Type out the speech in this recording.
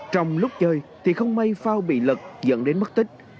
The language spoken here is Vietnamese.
trong lúc chơi thì không may phao bị lật dẫn đến mất tích